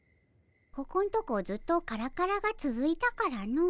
ここんとこずっとカラカラがつづいたからの。